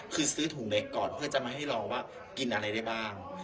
คือซื้อถุงเล็กก่อนเพื่อจะมาให้ลองว่ากินอะไรได้บ้าง